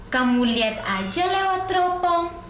kamu liat aja lewat ropong